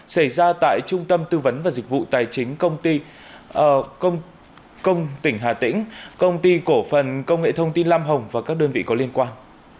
xảy ra tại trung tâm tư vấn và dịch vụ tài chính công ty công tỉnh hà tĩnh công ty cổ phần công nghệ thông tin lam hồng và các đơn vị có liên quan